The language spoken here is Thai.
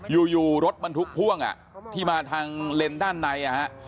อยู่อยู่รถมันทุกพ่วงอ่ะที่มาทางเลนด์ด้านในอ่ะฮะ